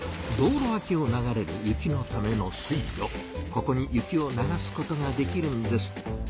ここに雪を流すことができるんです。